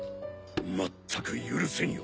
まったく許せんよ